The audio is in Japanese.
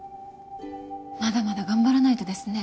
まだまだ頑張らないとですね。